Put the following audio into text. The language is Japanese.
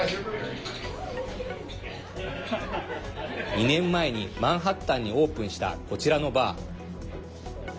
２年前にマンハッタンにオープンした、こちらのバー。